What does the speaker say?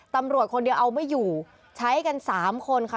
ตำรวจคนเดียวเอาไม่อยู่ใช้กันสามคนค่ะ